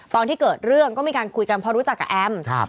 ตอนที่เกิดเรื่องก็มีการคุยกันเพราะรู้จักกับแอม